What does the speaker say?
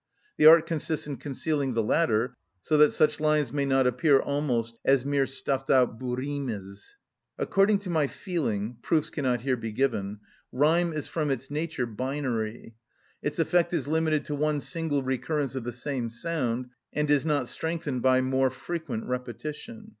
The art consists in concealing the latter, so that such lines may not appear almost as mere stuffed out boutsrimés. According to my feeling (proofs cannot here be given) rhyme is from its nature binary: its effect is limited to one single recurrence of the same sound, and is not strengthened by more frequent repetition.